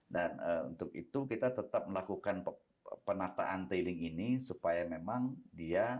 dan untuk itu kita tetap melakukan penataan tailing ini supaya memang dia